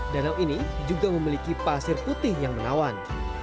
danau ini juga memiliki pasir putih yang menawan